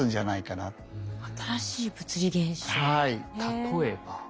例えば。